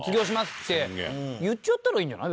って言っちゃったらいいんじゃない？